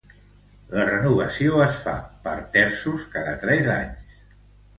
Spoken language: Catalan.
La renovació es fa per terços cada tres anys.